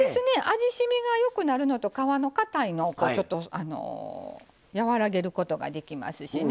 味しみがよくなるのと皮のかたいのを和らげることができますしね。